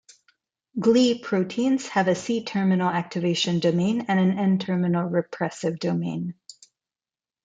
Gli proteins have a C-terminal activation domain and an N-terminal repressive domain.